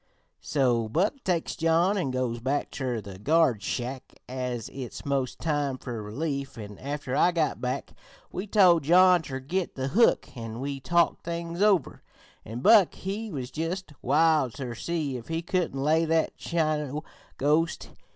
"So Buck takes John an' goes back ter the guard shack, as it's most time fer relief, an' after I got back we told John ter git the hook, an' we talked things over, an' Buck he was just wild ter see if he couldn't lay that Chino ghost.